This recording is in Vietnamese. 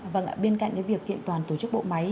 vâng ạ bên cạnh cái việc kiện toàn tổ chức bộ máy